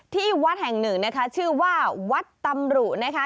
ที่วัดแห่งหนึ่งนะคะชื่อว่าวัดตำรุนะคะ